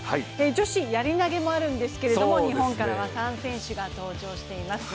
女子やり投もあるんですけど日本からは３選手が登場しています